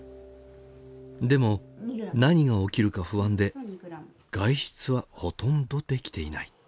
でも何が起きるか不安で外出はほとんどできていない。